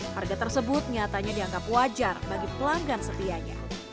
harga tersebut nyatanya dianggap wajar bagi pelanggan setianya